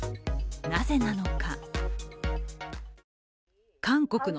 なぜなのか。